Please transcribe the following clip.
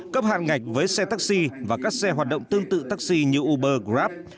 cấp hạn ngạch với xe taxi và các xe hoạt động tương tự taxi như uber grab